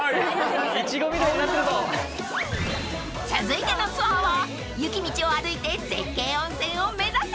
［続いてのツアーは雪道を歩いて絶景温泉を目指せ］